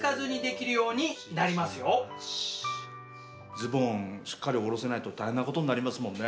ズボンしっかり下ろせないと大変なことになりますもんね。